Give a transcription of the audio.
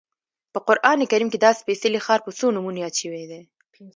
په قران کریم کې دا سپېڅلی ښار په څو نومونو یاد شوی دی.